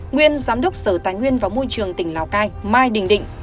nguyên giám đốc sở tài nguyên và môi trường tỉnh lào cai mai đình định